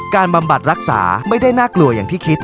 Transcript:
บำบัดรักษาไม่ได้น่ากลัวอย่างที่คิด